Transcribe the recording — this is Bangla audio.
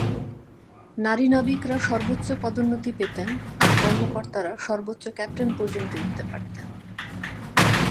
নারী নাবিকরা সর্বোচ্চ পদোন্নতি পেতেন আর কর্মকর্তারা সর্বোচ্চ ক্যাপ্টেন পর্যন্ত উঠতে পারতেন।